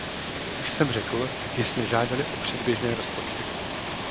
Už jsem řekl, že jsme žádali o předběžné rozpočty.